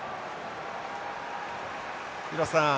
廣瀬さん